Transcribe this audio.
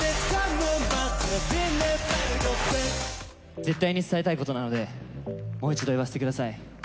絶対に伝えたいことなので、もう一度言わせてください。